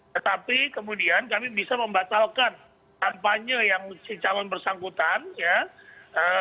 tetapi kemudian kami bisa membatalkan kampanye yang si calon bersangkutan ya